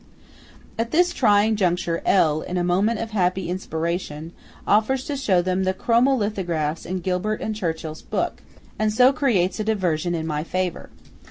At this trying juncture, L., in a moment of happy inspiration, offers to show them the chromo lithographs in Gilbert and Churchill's book, and so creates a diversion in my favour.